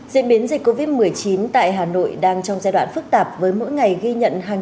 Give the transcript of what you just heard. diễn biến dịch covid một mươi chín tại hà nội đang trong giai đoạn phức tạp với mỗi ngày ghi nhận